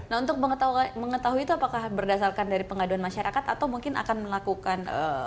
nah untuk mengetahui itu apakah berdasarkan dari pengaduan masyarakat atau mungkin akan melakukan